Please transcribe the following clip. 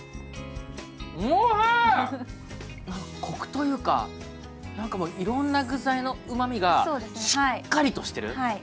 コクというかなんかいろんな具材のうまみがしっかりとしてる。